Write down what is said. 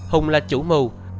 hùng là chủ mưu